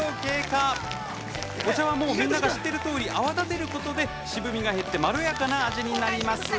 お茶はもうみんなが知ってるとおり泡立てることで渋みが減ってまろやかな味になります。